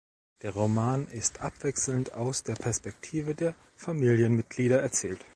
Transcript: Der Roman ist abwechselnd aus der Perspektive der Familienmitglieder erzählt.